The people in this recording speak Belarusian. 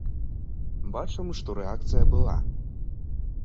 Бачым, што рэакцыя была.